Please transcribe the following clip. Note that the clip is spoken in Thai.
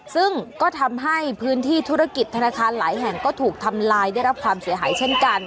ซึ่งก็ทำให้พื้นที่ธุรกิจธนาคารหลายแห่งก็ถูกทำลายได้รับความเสียหายเช่นกัน